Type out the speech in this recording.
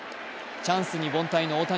チャンスに凡退の大谷。